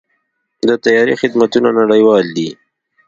د طیارې خدمتونه نړیوال دي.